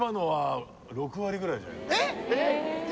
えっ！？